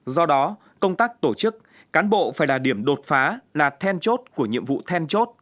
do đó công tác tổ chức cán bộ phải là điểm đột phá là then chốt của nhiệm vụ then chốt